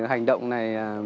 hành động này